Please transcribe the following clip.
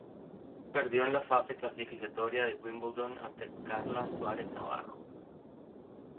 Perdió en la fase clasificatoria de Wimbledon ante Carla Suárez Navarro.